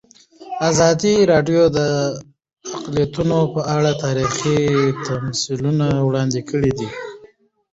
ازادي راډیو د اقلیتونه په اړه تاریخي تمثیلونه وړاندې کړي.